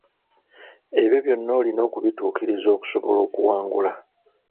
Ebyo byonna olina okubituukiriza okusobola okuwangula.